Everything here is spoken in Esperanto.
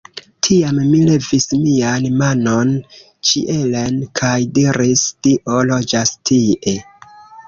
Tiam mi levis mian manon ĉielen, kaj diris, Dio loĝas tie.